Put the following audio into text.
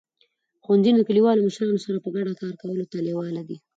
ښوونځي د کلیوالو مشرانو سره په ګډه کار کولو ته لیواله دي.